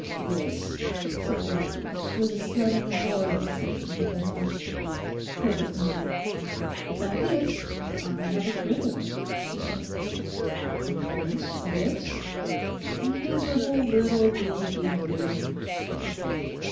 'This,' said Lawford, with a sudden horrible sinking of the heart. Herbert nodded. 'The fact is, I have a print of it,' he said. 'A print of it?' 'A miserable little dingy engraving.